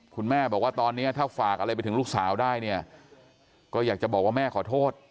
คุณแม่บอกว่าตอนนี้ถ้าฝากอะไรไปถึงลูกสาวได้เนี่ยก็อยากจะบอกว่าแม่ขอโทษ